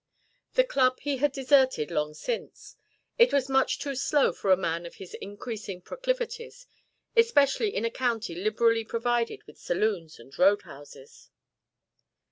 The Club he had deserted long since; it was much too slow for a man of his increasing proclivities, especially in a county liberally provided with saloons and road houses.